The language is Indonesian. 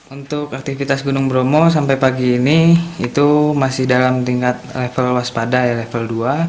untuk aktivitas gunung bromo sampai pagi ini itu masih dalam tingkat level waspada level dua